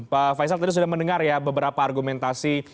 pak faisal tadi sudah mendengar ya beberapa argumentasi